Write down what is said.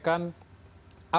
apa yang ia perjuangkan